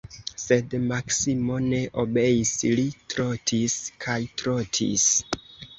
Sed Maksimo ne obeis, li trotis kaj trotis.